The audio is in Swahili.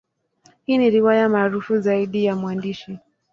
Hii ni riwaya maarufu zaidi ya mwandishi.